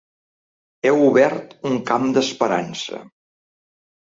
Heu obert un camp d’esperança.